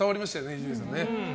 伊集院さん。